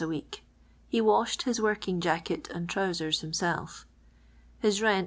a week (he washed his working jacket and trowsers himself), his rent 2«.